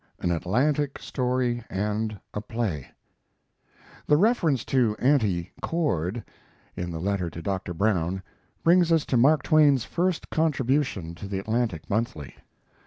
AN "ATLANTIC" STORY AND A PLAY The reference to "Auntie Cord" in the letter to Dr. Brown brings us to Mark Twain's first contribution to the Atlantic Monthly.